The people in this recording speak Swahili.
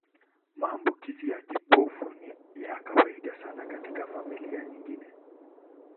Maambukizi ya kibofu ni ya kawaida sana katika familia nyingine.